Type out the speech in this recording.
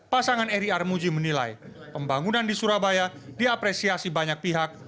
pasangan eri armuji menilai pembangunan di surabaya diapresiasi banyak pihak